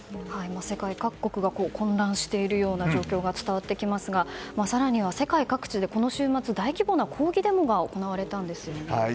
世界各国が混乱している状況が伝わりますが更には、世界各地でこの週末大規模な抗議デモが行われたんですよね。